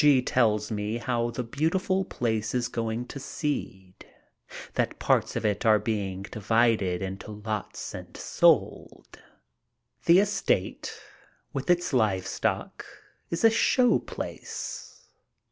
G. tells me how the beautiful place is going to seed, that parts of it are being divided into lots and sold. The estate, with its live stock, is a show place.